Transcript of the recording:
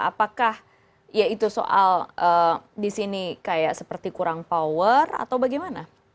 apakah ya itu soal di sini kayak seperti kurang power atau bagaimana